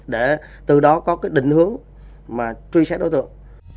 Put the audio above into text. để từ đó có cái định hướng mà truy xét đối tượng